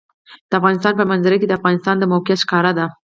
د افغانستان په منظره کې د افغانستان د موقعیت ښکاره ده.